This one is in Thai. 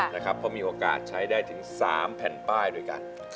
เพราะมีโอกาสใช้ได้ถึง๓แผ่นป้ายด้วยกัน